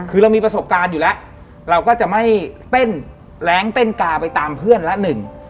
คือเรามีประสบการณ์อยู่แล้วเราก็จะไม่เต้นแรงเต้นกาไปตามเพื่อนละหนึ่ง